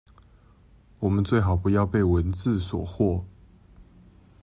我們最好不要被文字所惑